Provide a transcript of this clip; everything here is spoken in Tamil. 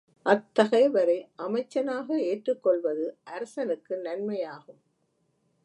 அத்தகையவரை அமைச்சனாக ஏற்றுக்கொள்வது அரசனுக்கு நன்மையாகும்.